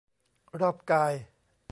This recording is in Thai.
รอบกาย